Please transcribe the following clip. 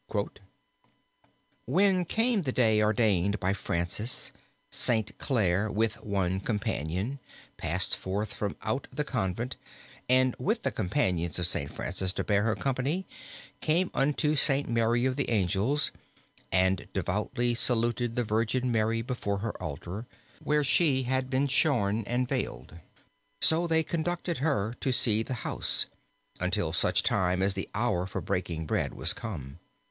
[Footnote 26] [Footnote 26: When came the day ordained by Francis, Saint Clare with one companion passed forth from out the convent and with the companions of Saint Francis to bear her company came unto Saint Mary of the Angels, and devoutly saluted the Virgin Mary before her altar, where she had been shorn and veiled; so they conducted her to see the house, until such time as the hour for breaking bread was come.